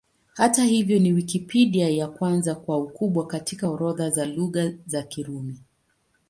Hata hivyo, ni Wikipedia ya kwanza kwa ukubwa katika orodha ya Lugha za Kirumi.